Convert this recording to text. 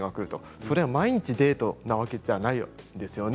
それは毎日デートなわけじゃないですよね。